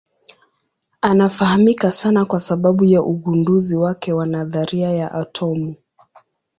Anafahamika sana kwa sababu ya ugunduzi wake wa nadharia ya atomu.